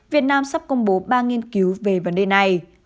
việt nam sắp công bố ba nghiên cứu về vấn đề này